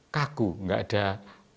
mereka punya bentuk yang kaku